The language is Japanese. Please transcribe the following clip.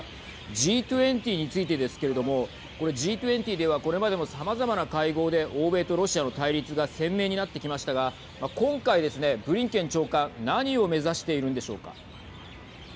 Ｇ２０についてですけれどもこれＧ２０ではこれまでもさまざまな会合で欧米とロシアの対立が鮮明になってきましたが今回ですね、ブリンケン長官何を目指しているんでしょうか。